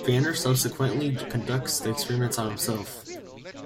Banner subsequently conducts the experiments on himself.